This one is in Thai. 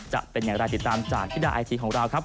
รายติดตามจากธิดาไอทีของเราครับ